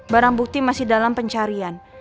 barang bukti masih dalam pencarian